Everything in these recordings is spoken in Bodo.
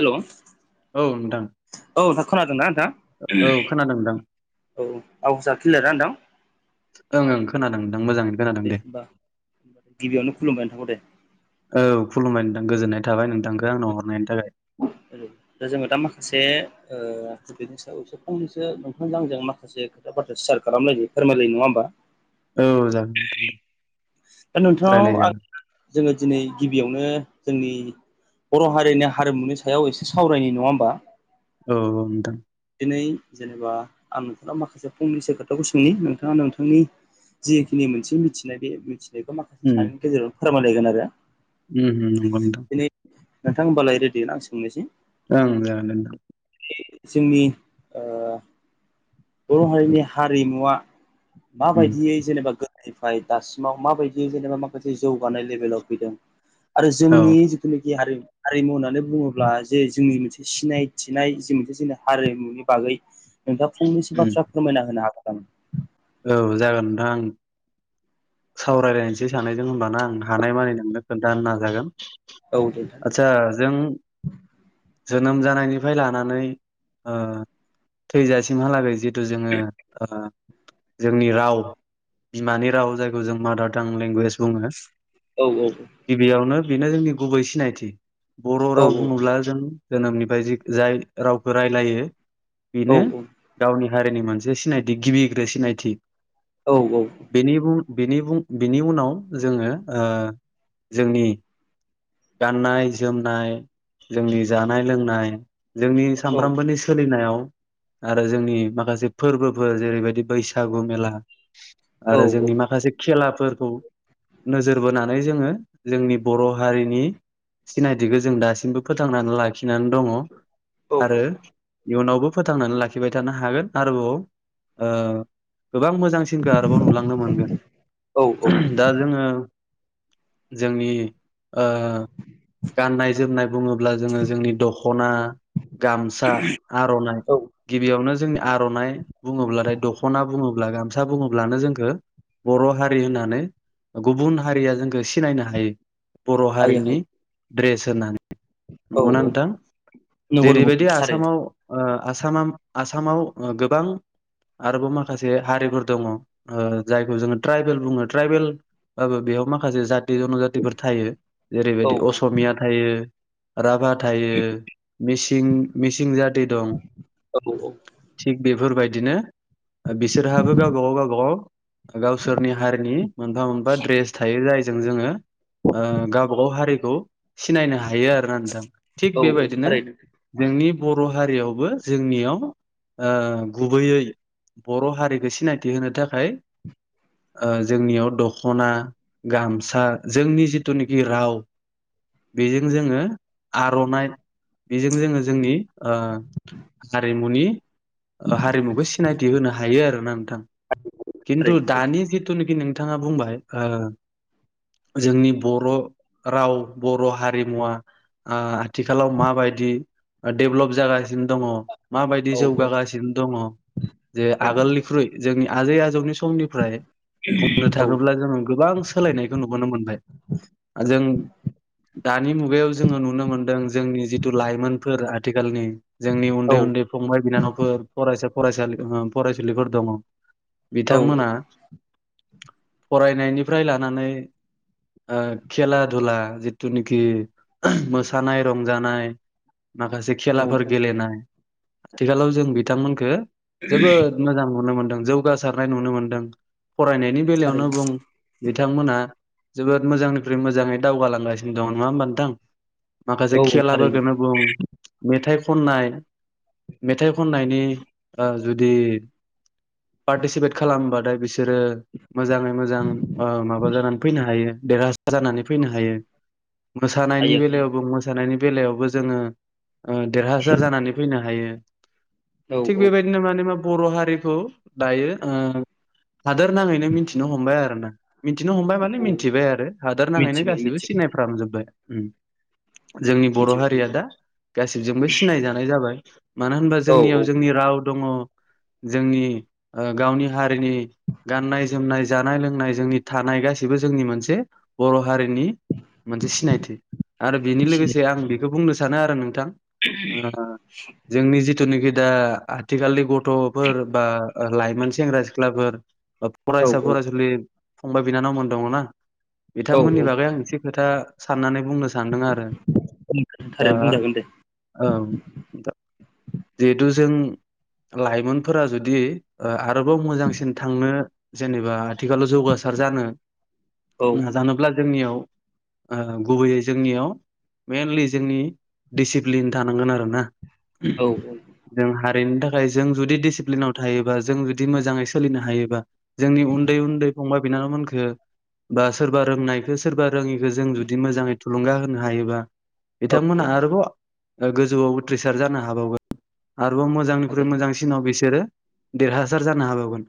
हेल' औ नोंथां नोंथां खोनादों ना औ औ खोनादों नोंथां आवाजा किलियारना नोंथां ओं ओं खोनादों नोंथां मोजाङैनो खोनादों दे होनबा गिबियावनो खुलुमबाय नोंथांखौ दे औ खुलुमबाय नोंथां गोजोननाय थाबाय नोंथांखौ आंनाव हरनायनायनि दा जोङो दा माखासे बेनि सायाव फंनैसो नोंथांजों आंजों माखासे खोथा बाथ्रा सेयार खालामलायनि फोरमायनायनि नङा होमबा औ जागोन नोंथां दे दा रायलाय नोंथांनाव आं जागोन जोङो दिनै गिबियावनो जोंनि बर' हारिनि हारिमुनि सायाव एसे सावरायनि नङा होमबा औ नोंथां दिनै जेनेबा आं नोंथांनाव माखासे फंनैसो खोथाखौ सोंनि नोंथाङा नोंथांनि जिखिनि मोनसे मिथिनाय बे मिथिनायखौ माखासे उम सानैनि गेजेरावनो फोरमायलायगोन आरो उम उम नंगौ नोंथां दिनै नोंथां होनबालाय रेडि आं सोंनोसै ओं जागोन दे नोंथां जोंनि ओ बर' हारिनि हारिमुवा उम माबायदियै जेनेबा गो दोनिफ्राय दासिमाव माबायदि जेनेबा माखासे जौगानाय लेभेलाव फैदों आरो औ जोंनि जिथुनाखि हारिमु हारिमु होननानै बुङोब्ला जे जोंनि मोनसे सिनायथिनाय जे मोनसे जोंनि हारिमुनि बागै। नोंथाङा फंनैसो उम बाथ्रा फोरमायना होनो हागोन नामा? औ जागोन नोंथां। सावरायलायनोसै सानैजों होनबाना आं हानाय मानि नोंनो खोन्थानो नाजागोन। औ दे नोंथां आतसा जों जोनोम जानायनिफ्राय लानानै ओ थैजासिमहालागै जि। जोड़ो जोंनि राव बिमा राव जों जों मादार तां लेंगुवेज बुङो औ गिबियावनो। बेनो जोंनि गुबै सिनायथि बर' औ राव बुङोब्ला जों जोनोमनिफ्राय जाय रावखौ रायलायो औ बेनो गावनि हारिनि मोनसे सिनायथि गिबिग्रो सिनायथि। औ औ। बिनि बुं बिनि उनाव जोङो जोंनि। गाननाय जोमनाय जोंनि जानाय लोंनाय। जोंनि औ सामफ्रोमबोनि सोलिनायाव आरो जोंनि माखासे फोरबोफोर जेरैबायदि बैसागु मेला आरो जोंनि माखासे खेलाफोर नोजोर बोनानै जोङो जोंनि बर' हारि। सिनायथिखौ जों दासिमबो फोथांनानै लाखिनानै दङ। आरो इयुनावबो फोथांनानै लाखिबाय थानो हागोन आरोबाव। गोबां मोजांसिनखौ आरोबाव नुलांनो मोनगोन औ औ दा जोङो। जोंनि गाननाय जोमनाय बुङोब्ला जोङो जोंनि दखना। गामसा आर'नाइ औ गिबियावनो जोंनि आर'नाइ बुङोब्लाथाय दख'ना बुङोब्ला गामसा बुङोब्लानो जोंखौ बर' हारि होननानै गुबुन हारिया जोंखौ सिनायनो हायो। बर' हायो हारिनि हायो ड्रेस होनानै औ नंगौना औ नोंथां नंगौ नंगौ जेरैबायदि थारैनो आसामाव आसामा आसामाव गोबां आरोबाव माखासे हारिफोर दङ जायखौ जोङो ट्राइबेल बुङो ट्राइबेल बाबो बेयाव माखासे जाथि जनजाति फोर थायो औ जेरैबायदि असमिया थायो राभा। थायो मिसिं जाथि दं औ औ थिग बेफोरबायदि बिदिनो बिसोरहाबो गावबाव गाव गागाव गावसोरनि हारिनि मोनफा मोनफा द्रेस थायो जायजों जोङो। गावब गाव हारिखौ सिनायनो हायो। हायो आरोना नोंथां थिग औ औ बेबायदिनो थारैनो जोंनि बर' हारियावबो जोंनियाव। गुबैयै बर' हारिखौ सिनायथि होनो थाखाय। जोंनियाव दख'ना गामसा जोंनि जिथुनिखि राव। बेजों जोङो आर'नाइ बेजों जोङो जोंनि हारिमुनि हारिमुखौ सिनायथि होनो हायो आरोोना नोंथां खिन्थु थारैनो सैथो दानि जिथुनाखि नोंथां। बिथाङा बुंबाय जोंनि। बर' राव बर' हारिमुवा आथिखालाव माबायदि। डेभलप जागासिनो दङ। औ माबायदि जौगागासिनो दङ जे आगोलनिख्रुइ जोंनि आजै आजौनि समनिफ्राय बुंनो थाङोब्ला जोङो गोबां सोलायनायखौ नुबोनो मोनबाय जों दानि मुगायाव जोङो नुनो मोनदों जोंनि जिथु लाइमोनफोर आथिखालनि जोंनि उन्दै उन्दै फंबाय बिनानावफोर फरायसा फरायसालि फरायसुलिफोर दङ बिथांमोना औ फरायनायनिफ्राय लानानै खेला धुला जिथुनिखि मोसानाय रंजानाय माखासे औ खेलाफोर औ गेलेनाय आथिखालाव जों बिथांमोनखो जोबोद मोजां नुनो मोनदों जौगासारनाय नुनो मोनदों फरायनायनि बेलायावनो थारैनो बुं बिथांमोना जोबोद मोजांनिफ्राय मोजाङै दावगालांगासिनो दङ नङा होमबा नोंथां? औ माखासे औ थारैनो खेलाफोरखौनो बुं मेथाइ खननाय मेथाइ खननायनि जुदि पार्टिसिपेट खालामबाथाय बिसोरो मोजाङै मोजां माबा जानानै फैनो हायो देरहासार जानानै फैनो हायो। मोसानायनि हायो हायो बेलायावबो मोसानायनि बेलायावबो जोङो देरहासार जानानै फैनो हायो औ थिग औ बेबायदिनो माने मा बर' हारिखौ दायो हादोर नाङैनो मिथिनो हमबाय आरो ना मिथिनो हमबाय माने औ मिथिबाय आरो हादोर नाङैनो मिथिबाय गासैबो मिथिबाय सिनायफ्रामजोब्बाय जोंनि बर' मिथिबाय हारिया नंगौ दा गासिबजोंबो सिनायजानाय जाबाय मानो होनबा औ औ जोंनियाव जोंनि राव दङ जोंनि गावनि हारि नि गाननाय जोमनाय जानाय लोंनाय जोंनि थानाय गसिबो जोंनि मोनसे बर' हारिनि मोनसे सिनायथि आरो बेनि सिनाय लोगोसे आं बेखौ बुंनो सानो आरो नोंथां जोंनि जिथुनाखि दा आथिखालनि गथ'फोर बा लाइमोन सेंग्रा सिख्लाफोर औ फरायसा औ फरायसुलि फंबाय बिनानावमोन दङना औ बिथांमोननि औ बागै आं एसे खोथा साननानै बुंनो सानदों आरो दा थारैनो बुंजागोन दे औ जिहेथु जों लाइमोनफोरा जुदि आरोबाव मोजांसिन थांनो जेनेबा आथिखालाव जौगासार जानो औ नाजानोब्ला जोंनियाव गुबैयै जोंनियाव मइेनलि जोंनि डिसिप्लिन थानांगोन आरोना औ औ ओरैनो थाखाय जों जुदि डिसिप्लिनाव थायोबा जों जुदि मोजाङै सोलिनो हायोबा जोंनि उन्दै उन्दै फंबाय बिनानावमोनखो बा सोरबा रोंनायखौ सोरबा रोङिखौ जों जुदि मोजाङै थुलुंगा होनो हायोबा हागोन बिथांमोनहा आरोबाव गोजौआव उथ्रिसार जानो हाबावगोन आरोबाव मोजांनिख्रुइ मोजांसिनाव बिसोरो देरहासार जानो हाबावगोन।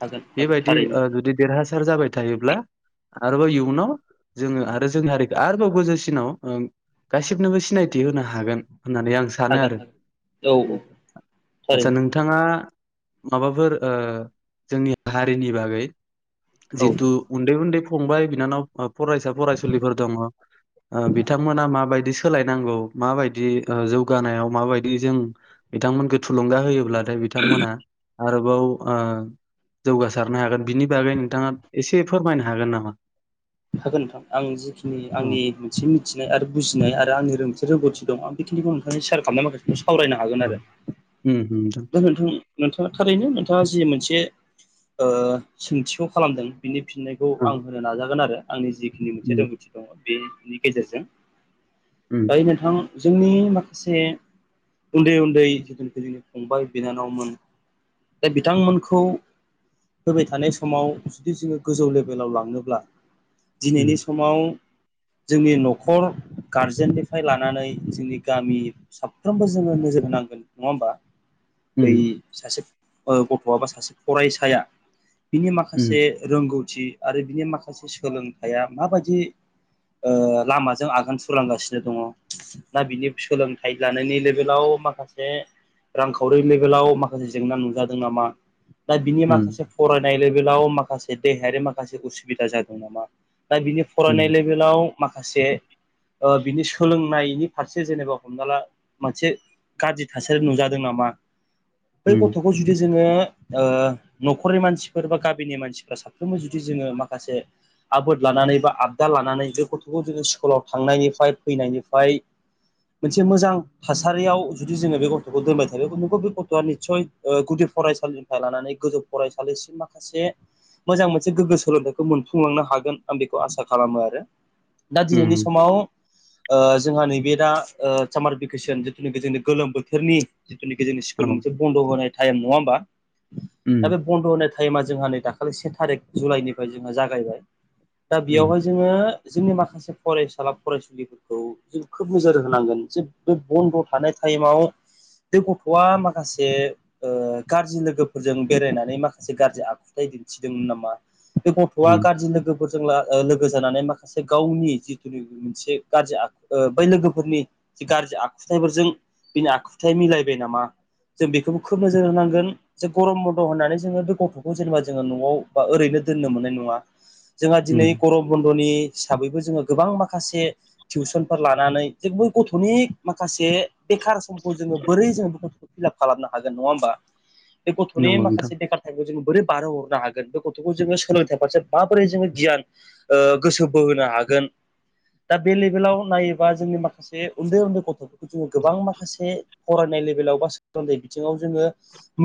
हागोन हागोन बेबायदि थारैनो जुदि देरहासा थायोब्ला आरोबाव इयुनाव जोङो आरो जोंनि हारिखौ आरोबाव गोजौसिनाव गासिबनोबो सिनायथि होनो हागोन। होननानै आं सानो हागोन आरो हागोन औ औ आचसा थारैनो नोंथाङा माबाफोर जोंनि हारिनि बागै औ जितु उन्दै उन्दै फंबाय बिनानाव फरायसा फरायसुलिफोर दङ बिथांमोना माबायदि सोलायनांगौ माबायदि जौगानायाव माबायदि जों बिथांमोनखौ थुलुंगा होयोब्ला नाथाय बिथांमोना आरोबाव जौगासारनो हागोन बिनि बागै नोंथाङा एसे फोरमायनो हागोन नामा? हागोन नोंथां आं जिखिनि आंनि उम मोनसे मिथिनाय आरो बुजिनाय आरो आंनि रोंथि रोंगौथि दं आं बेखिनिखौ नोंथांनि सेयार खालामनाय माखासेखौ सावरायनो हागोन आरो उम उम दा नोंथां नोंथाङा थारैनो नोंथाङा जि मोनसे ओ सोंथिखौ खालामदों बिनि फिननायखौ ओं आं होनो नाजागोन आरो आंनि जि खिनि मोनसे उम रोंगौथि दङ बेनि गेजेरजों उम दायो नोंथां जोंनि माखासे उन्दै उन्दै जिथुुनखि जोंनि फंबाय बिनानावमोन बे बिथांमोनखौ फैबाय थानाय समाव जुदि जोङो गोजौ लेभेलाव लांनोब्ला उम दिनैनि समाव जोंनि न'खर गारजेननिफ्राय लानानै जोंनि गामि साफ्रोमबो जोङो नो जोर होनांगोन नङा होमबा? बै उम सासे गथ'आ बा सासे फरायसाया बिनि उम माखासे रोंगौथि आरो बिनि माखासे सोलोंथाइया माबायदि ओ लामाजों आगान सुरलांगासिनो दङ ना बिनि सोलोंथाइ लानायनि लेभेलाव खौ माखासे रांखावरि लेभेलाव माखासे जेंना नुजादों नामा दा बिनि उम माखासे फरायनाय लेभेल लेबेलाव माखासे देहायारि माखासे उसुबिदा जादों नामा दा बिनि फरायनाय उम लेभेलाव माखासे ओ बिनि सोलोंनायनि फारसे जेनेबा हमना ला मोनसे गाज्रि थासारि नुजादों दों नामा बै उम गथ'खौ जुदि जोङो ओ न'खरनि मानसिफोर बा गामिनि मानसिफ्रा साफ्रोमबो जुदि जोङो माखासे आबोद लानानै बा आबदाल लानानै जे गथ'खौ जोङो स्कुलाव थांनायनिफ्राय फैनायनिफ्राय मोनसे मोजां थासारियाव जुदि जोङो बे गथ' गथ'खौ दोनबाय थायो [unintelligible] गथ'आ निस्सय गुदि फरायसालिनिफ्राय लानानै गोजौ फरायसालिसिम माखासे मोजां मोनसे गोग्गो सोलोंथाइखौ मोनफुंलांनो हागोन आं बेखौ आसा खालामो आरो दा दिनैनि उम समाव ओ जोंहा नैबे दा ओ सामार भेकेसन जिथुनाखि जोंनि गोलोम बोथोरनि जिथुनाखि जोंनि औ स्कुल मोनसे बन्द' होनाय टाइम नङा होमबा उम दा बे बन्द' होनाय टाइमा जोंहा नै दाखालि से थारिक जुलाइनिफ्राय जोंहा जागायबाय दा उम बेयावहाय जोङो जोंनि माखासे फरायसाला फरायसुलिफोरखौ जों खोब नोजोर होनांगोन जे बे बन्द' थानाय टाइमाव बे गथ'आ माखासे ओ गाज्रि लोगोफोरजों बेरायनानै माखासे गाज्रि आखु आखुथाय दिन्थिदोंमोन नामा बे गथ'आ उम गाज्रि लोगोफोर जों ला ओ लोगो जानानै माखासे गावनि जिथुनाखि मोनसे गाज्रि आखु ओ बै लोगोफोरनि जि गाज्रि आखुथायाइफोरजों बिनि आखुथाय मिलायबाय नामा जों बेखौबो खोब नोजोर होनांगोन जे गरम बन्द' होननानै जोङो बे गथ'खौ जेनेबा जोङो न'आव बा ओरैनो दोननो मोननाय नङा जोंहा दिनै उम गरम बन्द'नि हिसाबैबो जोङो गोबां माखासे टिउसनफोर लानानै जेबो गथ'नि माखासे बेखार सम खौ जोङो बोरै जोङो बेफोरखौ फिलाप खालामनो हागोन नङा होमबा बे गथ'नि नंगौ नोंथां माखासे बेखार टाइमखौ जोङो बोरो बारहो हरनो हागोन बे गथ'खौ जोङो सोलोंथाइ फारसे माबोरै जोङो गियान ओ गोसो बोहोनो हागोन दा बे लेभेलाव नायोबा जोंनि माखासे उन्दै उन्दै गथ'फोरखौ जोङो गोबां माखासे फरायनाय लेभेलाव बा सोलोंथाइ बिथिङाव जोङो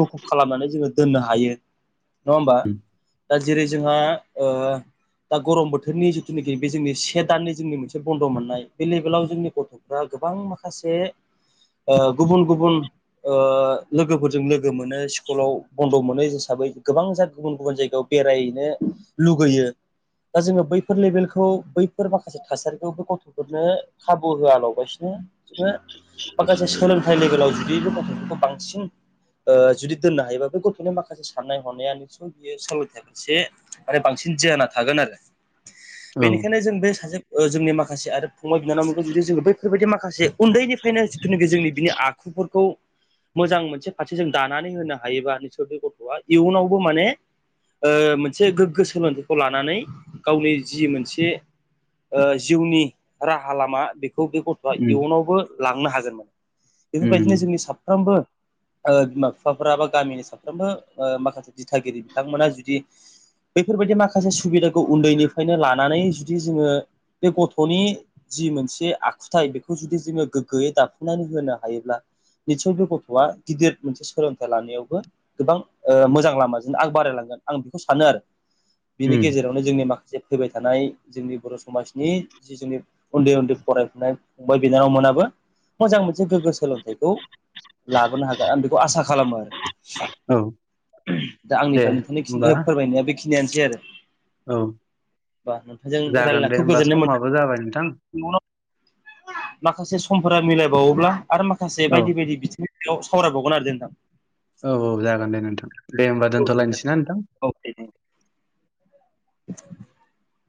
मुखुब खालामनानै जोङो दोननो हायो नङा होमबा उम दा जेरै जोंहा ओ दा गरम बोथोरनि जिथुनाखि बे जोंनि से दाननि जोंनि मोनसे बन्द' मोननाय बे लेभेलाव जोंनि गथ'फ्रा गोबां माखासे ओ गुबुन गुबुन ओ लोगोफोरजों लोगो मोनो स्कुलाव बन्द' मोनो हिसाबै गोबां जा गुबुन गुबुन जायगायाव बेरायहैनो लुगैयो दा जोङो बैफोर लेभेलखौ बैफोर माखासे थासारिखौबो गथ'फोरनो खाबु होआलाबासिनो जोङो माखासे सोलोंथाइ लेभेलाव जुदि बे गथ'फोरखौ बांसिन ओ जुदि दोननो हायोबा बे गथ'नि माखासे साननाय हनाय निसय बियो सोलोंथाय फारसे आरो बांसिन दिन धियाना थागोन आरो औ बेनिखायनो जों बे सासे ओ जोंनि माखासे आरो फंबाय बिनानावमोनखौ जुदि जोङो बै बेफोरबायदि माखासे उन्दैनिफ्रायनो जिथुनाखि जोंनि बिनि आखुफोरखौ मोजां मोनसे फारसे जों दानानै होनो हायोबा नोंसोर बे गथ'आ इयुनावबो माने ओ मोनसे गोग्गो सोलोंथाइखौ लानानै गावनि जि मोनसे ओ जिउनि राहा लामा बेखौ बे गथ'आ उम इयुनावबो लांनो हागोन। माने बेफोरबायदिनो उम जोंनि साफ्रोमबो ओ बिमा बिफाफोरा बा गामिनि साफ्रोमबो ओ माखासे दिथागिरि बिथांमोना जुदि बैफोरबायदि माखासे सुबिदाखौ उन्दैनिफ्रायनो लानानै जुदि जोङो बे गथ'नि जि मोनसे आखुथाय बेखौ जुदि जोङो गोग्गोयै दाफुंनानै होनो हायोब्ला निसयबो गथ'आ गिदिर मोनसे सोलोंथाइ लानायावबो गोबां ओ मोजां लामाजों आग बारायलांगोन आं बेखौ सानो आरो बिनि उम गेजेरावनो जोंनि माखा जे फैबाय थानाय जोंनि बर' समाजनि जि जोंनि उन्दै उन्दै फरायफुनाय फंबाय बिनानाव मोना बो मोजां मोनसे गोग्गो सोलोंथाइखौ लाबोनो हागोन आं बेखौ आसा खालामो आरो। औ दा दे आंनिफ्राय नोंथांनि होमबा खिननाव फोरमायनाया बेखिनियानोसै आरो। औ बा नोंथांजों जागोन दे रायजलायनाखौ होमबा गोजोननाय समाबो जाबाय नोंथां मोनदों। माखासे सम फोरा मिलायबावोब्ला आरो माखासे औ बायदि बायदि बिथिंनि सायाव सावरायबावगोन आरो नोंथां। औ औ जागोन दे नोंथां दे होमबा औ दे दोनथ'लायनोसैना नोंथां औ। [inaudible]